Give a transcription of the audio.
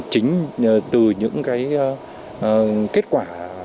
chính từ những kết quả công tác vận động tuyên truyền